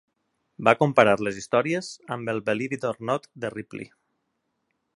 Va comparar les històries amb el Believe It or Not de Ripley!